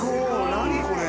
何これ。